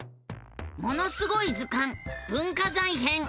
「ものすごい図鑑文化財編」！